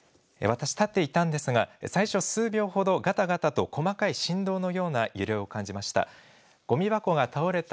私、立っていたんですが、最初数秒ほどがたがたと細かい振動のような揺れを感じました。